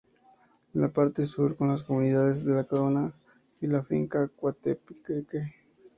En la parte sur con las comunidades de La Canoa y la Finca Coatepeque.